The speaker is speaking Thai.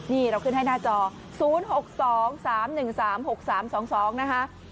นี่เราขึ้นให้หน้าจอ๐๖๒๓๑๓๖๓๒๒นะคะ